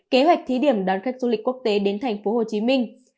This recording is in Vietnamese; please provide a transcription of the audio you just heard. kế hoạch thí điểm đón khách du lịch quốc tế đến thành phố hồ chí minh